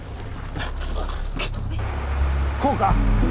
こうか？